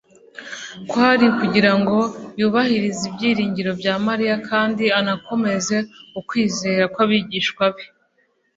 Kwari ukugira ngo yubahirize ibyiringiro bya Mariya kandi anakomeze ukwizera kw'abigishwa be;